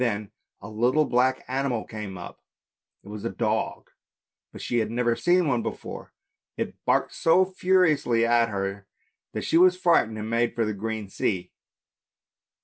Then a little black animal came up, it was a dog, but she had never seen one before ; it barked so furiously at her that she was frightened and made for the open sea.